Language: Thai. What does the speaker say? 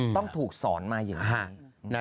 ต้องถูกสอนมาอย่างนี้